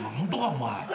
お前。